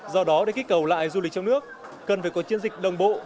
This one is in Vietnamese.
do đó để kích cầu lại du lịch trong nước cần phải có chiến dịch đồng bộ